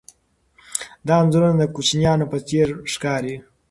دا انځورونه د کوچنیانو په څېر ښکاري.